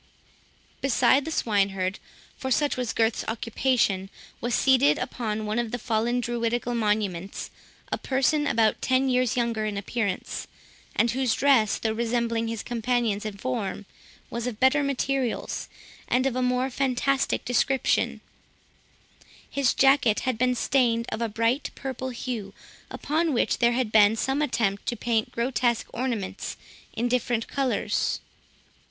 Beside the swine herd, for such was Gurth's occupation, was seated, upon one of the fallen Druidical monuments, a person about ten years younger in appearance, and whose dress, though resembling his companion's in form, was of better materials, and of a more fantastic appearance. His jacket had been stained of a bright purple hue, upon which there had been some attempt to paint grotesque ornaments in different colours.